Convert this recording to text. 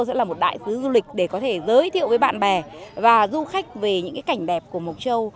sẽ là một đại sứ du lịch để có thể giới thiệu với bạn bè và du khách về những cái cảnh đẹp của mộc châu